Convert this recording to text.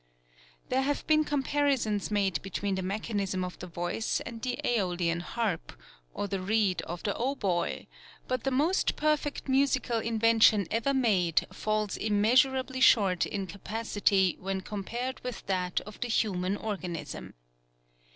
There have been comparisons made between the mechanism of the voice and the asolian harp, or the reed of the hautboy, but the most perfect musical invention ever made falls immeasurably short in capacity when compared with that of the human organ ism.